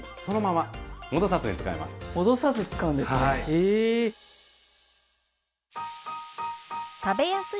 戻さず使うんですか？